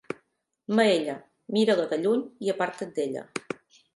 Maella, mira-la de lluny i aparta't d'ella.